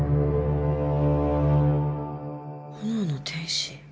「炎の天使？」